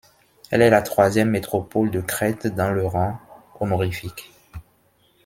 Elle est la troisième métropole de Crète dans le rang honorifique.